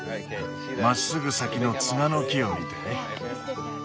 まっすぐ先のツガの木を見て。